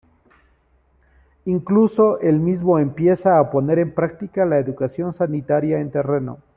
Incluso el mismo empieza a poner en práctica la educación sanitaria en terreno.